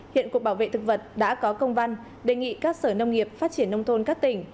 hiện cục bảo vệ thực vật đã có công văn đề nghị các sở nông nghiệp phát triển nông thôn các tỉnh